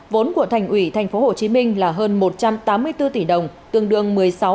vốn của thành ủy tp hcm là hơn một trăm tám mươi bốn tỷ đồng tương đương một mươi sáu